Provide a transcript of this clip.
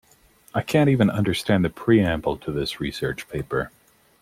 I can’t even understand the preamble to this research paper.